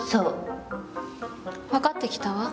分かってきたわ。